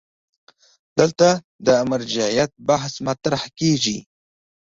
دلته د مرجعیت بحث مطرح کېږي.